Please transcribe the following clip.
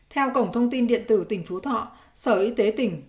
theo cổng thông tin điện tử tỉnh phú thọ sở y tế tỉnh